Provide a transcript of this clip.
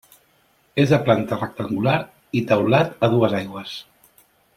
És de planta rectangular i teulat a dues aigües.